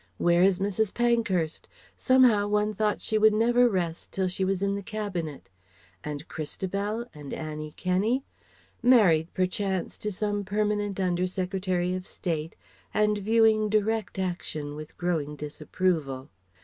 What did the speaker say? Where is Mrs. Pankhurst? Somehow one thought she would never rest till she was in the Cabinet. And Christabel? And Annie Kenney? Married perchance to some permanent under Secretary of State and viewing "direct action" with growing disapproval.